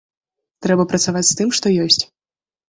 Трэба працаваць з тым, што ёсць.